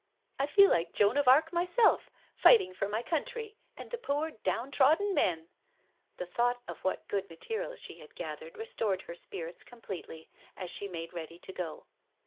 I feel like Joan of Arc myself, fighting for my country and the poor downtrodden men." The thought of what good 1 I AT THE WEEK END COTTAOE 165 material she had gathered restored her spirits com pletely as she made ready to go.